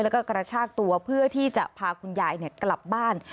แล้วก็กระชากตัวเพื่อที่จะพาคุณยายกลับบ้าน